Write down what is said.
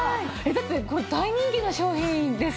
だってこれ大人気の商品ですからね。